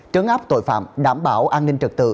trấn áp tội phạm đảm bảo an ninh trật tự